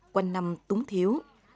qua năm túng thiếu